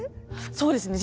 そうですね